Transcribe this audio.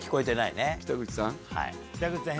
北口さん？